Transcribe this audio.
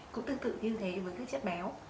cũng tương tự như thế với các chất béo